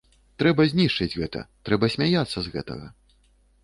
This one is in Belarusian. Трэба знішчыць гэта, трэба смяяцца з гэтага.